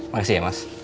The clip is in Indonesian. makasih ya mas